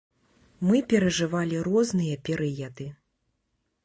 Мы перажывалі розныя перыяды.